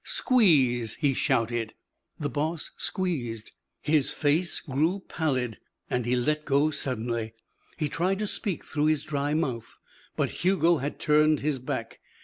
"Squeeze," he shouted. The boss squeezed. His face grew pallid and he let go suddenly. He tried to speak through his dry mouth, but Hugo had turned his back.